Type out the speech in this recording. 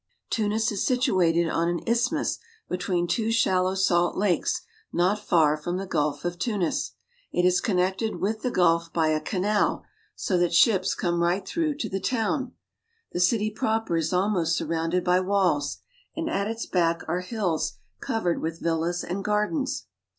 Tunis is situated on an isthmus between two shallow salt lakes not far from the Gulf of Tunis. It is connected with the Gulf by a canal, so that ships come right through THE CITY OF TUNIS 49 to the town. The city proper is almost surrounded by walls, and at its back are hills covered with villas and gardens.